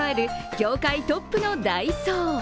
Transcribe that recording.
業界トップのダイソー。